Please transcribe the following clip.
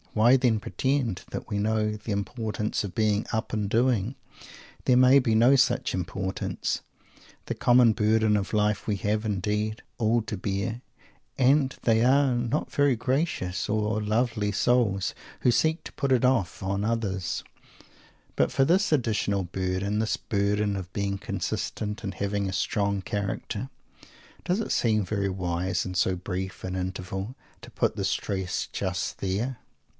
Why, then, pretend that we know the importance of being "up and doing"? There may be no such importance. The common burden of life we have, indeed, all to bear and they are not very gracious or lovely souls who seek to put it off on others but for this additional burden, this burden of "being consistent" and having a "strong character," does it seem very wise, in so brief an interval, to put the stress just there?